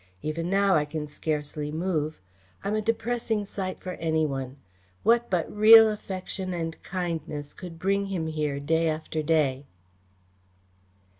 Even now I can scarcely move. I am a depressing sight for any one. What but real affection and kindness could bring him here day after day?"